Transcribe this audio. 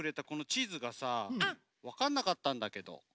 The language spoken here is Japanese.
このちずがさわかんなかったんだけど。